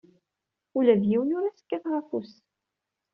Ula d yiwen ur as-kkateɣ afus.